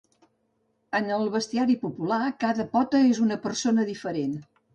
En el bestiari popular, cada pota és una persona diferent.